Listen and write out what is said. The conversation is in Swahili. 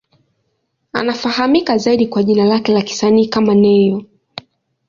Anafahamika zaidi kwa jina lake la kisanii kama Ne-Yo.